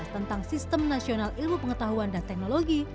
tentang sistem nasional ilmu pengetahuan dan teknologi